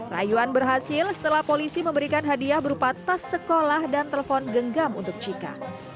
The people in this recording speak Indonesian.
rayuan berhasil setelah polisi memberikan hadiah berupa tas sekolah dan telepon genggam untuk cika